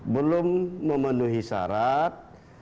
belum memenuhi syarat